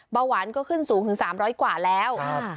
เบาหวานก็ขึ้นสูงถึงสามร้อยกว่าแล้วครับ